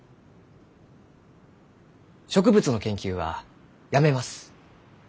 植物の研究はやめます。